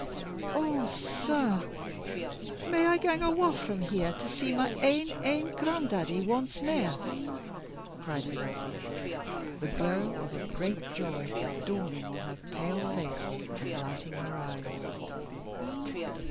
"Oh, sir, may I gang awa' frae here to see my ain, ain gran'daddie once mair?" cried the lassie, the glow of a great joy dawning on her pale face and lighting her eyes.